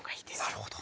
なるほど。